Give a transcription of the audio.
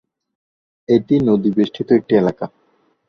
এটি নদী বেষ্টিত একটি এলাকা।